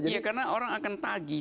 ya karena orang akan tagih